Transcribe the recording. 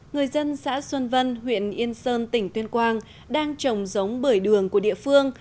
người dân xã xuân vân huyện yên sơn tỉnh tuyên quang đang trồng giống bởi đường của địa phương